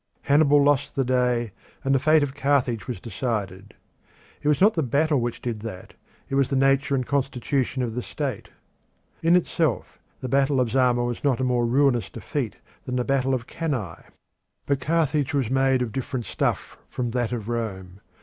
Hannibal lost the day, and the fate of Carthage was decided. It was not the battle which did that; it was the nature and constitution of the state. In itself the battle of Zama was not a more ruinous defeat than the battle of Cannae. But Carthage was made of different stuff from that of Rome.